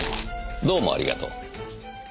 どうもありがとう。